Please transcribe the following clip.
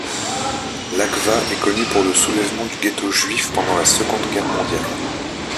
Lakhva est connue pour le soulèvement du ghetto juif pendant la Seconde Guerre mondiale.